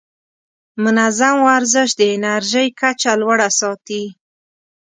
منظم ورزش د انرژۍ کچه لوړه ساتي.